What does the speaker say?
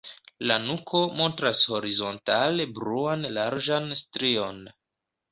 La nuko montras horizontale bluan larĝan strion.